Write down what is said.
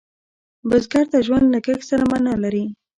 بزګر ته ژوند له کښت سره معنا لري